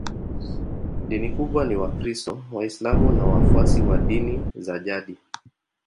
Dini kubwa ni Wakristo, Waislamu na wafuasi wa dini za jadi.